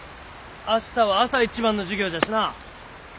明日は朝一番の授業じゃしな。